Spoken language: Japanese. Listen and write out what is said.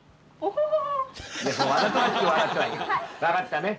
分かったね？